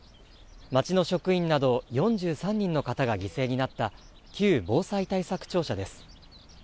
町の職員など４３人の方が犠牲になった旧防災対策庁舎です。